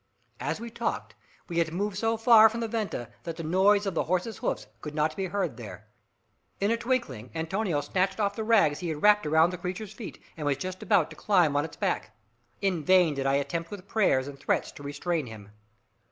As we talked, we had moved so far from the venta that the noise of the horse's hoofs could not be heard there. In a twinkling Antonio snatched off the rags he had wrapped around the creature's feet, and was just about to climb on its back. In vain did I attempt with prayers and threats to restrain him.